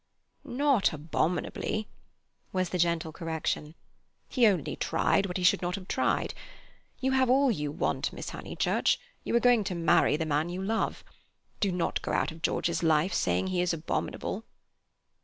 "Not 'abominably,'" was the gentle correction. "He only tried when he should not have tried. You have all you want, Miss Honeychurch: you are going to marry the man you love. Do not go out of George's life saying he is abominable."